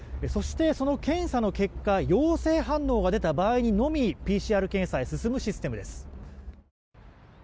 そして、その検査の結果陽性反応が出た場合のみＰＣＲ検査へ進むシステムです。